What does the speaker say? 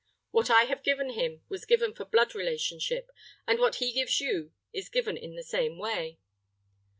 What I have given him was given for blood relationship, and what he gives you is given in the same way."